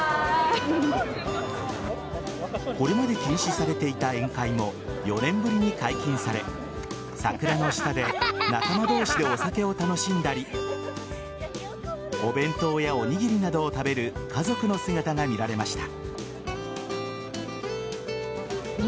これまで禁止されていた宴会も４年ぶりに解禁され桜の下で仲間同士でお酒を楽しんだりお弁当やおにぎりなどを食べる家族の姿が見られました。